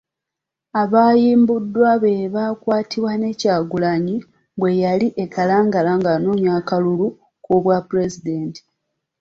Abaayimbuddwa be baakwatibwa ne Kyagulanyi bwe yali e Kalangala ng’anoonya akalulu k’obwa pulezidenti.